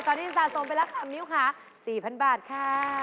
ตอนนี้สะสมไปแล้วค่ะมิ้วค่ะ๔๐๐บาทค่ะ